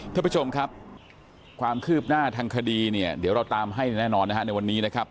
ท่านผู้ชมครับความคืบหน้าทางคดีเนี่ยเดี๋ยวเราตามให้แน่นอนนะฮะในวันนี้นะครับ